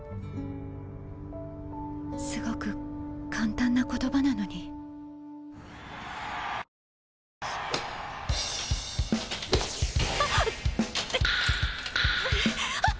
すごく簡単な言葉なのに・あっ！